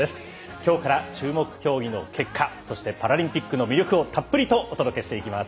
きょうから注目競技の結果そしてパラリンピックの魅力をたっぷりとお届けしてまいります。